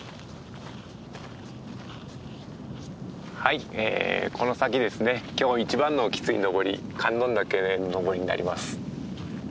はいこの先ですね今日一番のきつい登り観音岳の登りになります。